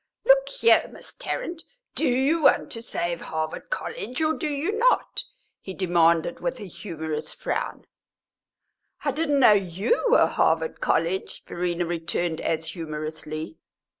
"Look here, Miss Tarrant; do you want to save Harvard College, or do you not?" he demanded, with a humorous frown. "I didn't know you were Harvard College!" Verena returned as humorously.